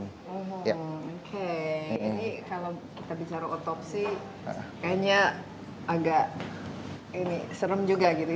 hmm oke ini kalau kita bicara otopsi kayaknya agak ini serem juga gitu